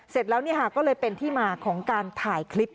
เสร็จแล้วก็เลยเป็นที่มาของการถ่ายคลิป